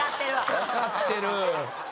分かってる。